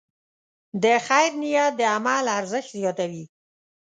د خیر نیت د عمل ارزښت زیاتوي.